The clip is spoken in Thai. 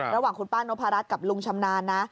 ระหว่างคุณป้านพรัชกับลุงชำนาญนะ